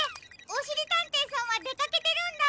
おしりたんていさんはでかけてるんだ！